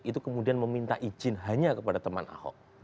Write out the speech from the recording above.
itu kemudian meminta izin hanya kepada teman ahok